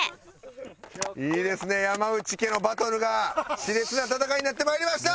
いいですね山内家のバトルが熾烈な戦いになって参りました！